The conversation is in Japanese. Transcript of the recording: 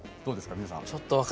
皆さん。